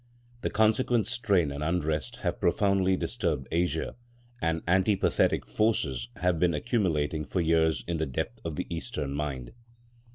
The consequent strain and unrest have profoundly disturbed Asia, and antipathetic forces have been accumulating for years in the depth of the Eastern mind.